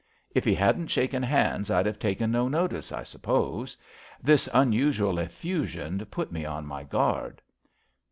If he hadn't shaken hands I'd have taken no notice, I suppose. This un usual effusion put me on my guard."